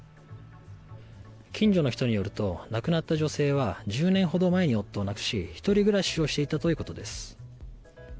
近所の人によると亡くなった女性は１０年ほど前に夫を亡くし１人暮らしをしていたということです。